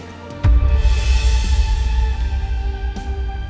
tidur sama pas